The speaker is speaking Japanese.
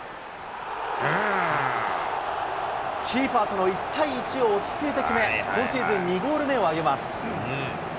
キーパーとの１対１を落ち着いて決め、今シーズン２ゴール目を挙げます。